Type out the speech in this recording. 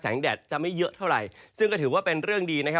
แดดจะไม่เยอะเท่าไหร่ซึ่งก็ถือว่าเป็นเรื่องดีนะครับ